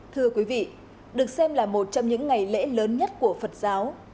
thưa quý vị được xem là một trong những ngày lễ lớn nhất của phật giáo